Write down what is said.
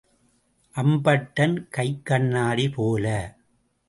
அம்பட்டன் கைக் கண்ணாடி போல.